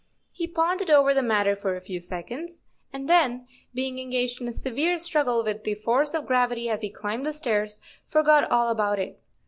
He pondered over the matter for a few seconds, and then, being engaged in a severe struggle with the force of gravity as he climbed the stairs, forgot all about it.